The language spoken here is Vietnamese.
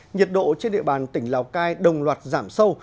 nhiệt độ trên địa bàn tỉnh lào cai đồng loạt giảm sâu